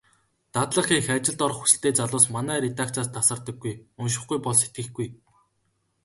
Дадлага хийх, ажилд орох хүсэлтэй залуус манай редакцаас тасардаггүй. УНШИХГҮЙ БОЛ СЭТГЭХГҮЙ.